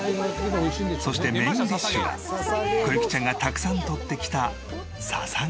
そしてメインディッシュはこゆきちゃんがたくさん採ってきたささげ。